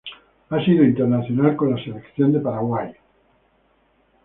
Ha sido internacional con la Selección de Paraguay.